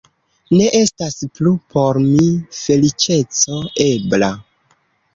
Ne estas plu por mi feliĉeco ebla.